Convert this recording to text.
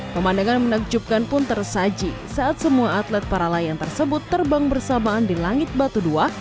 pemandangan menakjubkan pun tersaji saat semua atlet para layang tersebut terbang bersamaan di langit batu dua